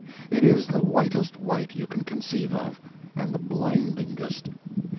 It is the whitest white you can conceive of, and the blindingest.